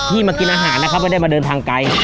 มากินอาหารนะครับไม่ได้มาเดินทางไกล